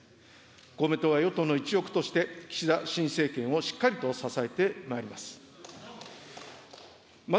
公明党は与党の一翼として、岸田新政権をしっかりと支えてまいります。